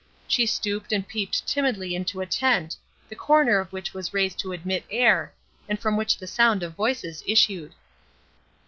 She stooped and peeped timidly into a tent, the corner of which was raised to admit air, and from which the sound of voices issued.